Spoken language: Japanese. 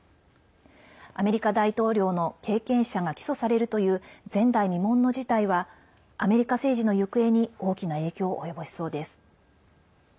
アメリカ大統領の経験者が起訴されるという前代未聞の事態はアメリカ政治の行方に大きな影響を及ぼしそうです。